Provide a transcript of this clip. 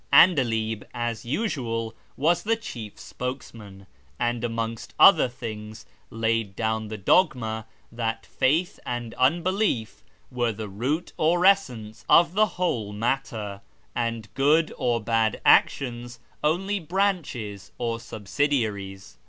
'Andalib, as usual, was the chief spokesman, and, amongst other things, laid down the dogma that faith and unbelief were the root or essence of the whole matter, and good or bad actions only branches or subsidiaries.